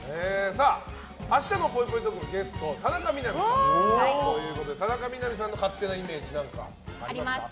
明日のぽいぽいトークのゲスト田中みな実さんということで田中みな実さんの勝手なイメージはありますか？